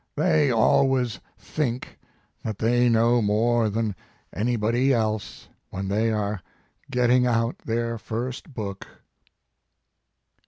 They always think that they know more than anybody else when they are getting out their first book."